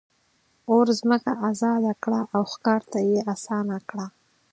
اور ځمکه آزاده کړه او ښکار ته یې آسانه کړه.